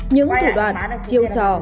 những thủ đoạn chiêu trò